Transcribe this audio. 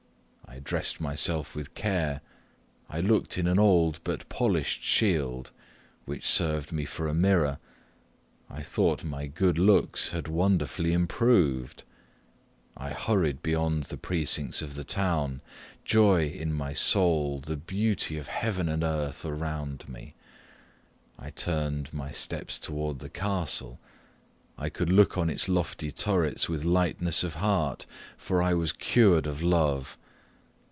I dressed myself with care; I looked in an old but polished shield, which served me for a mirror; methought my good looks had wonderfully improved. I hurried beyond the precincts of the town, joy in my soul, the beauty of heaven and earth around me. I turned my steps towards the castle I could look on its lofty turrets with lightness of heart, for I was cured of love.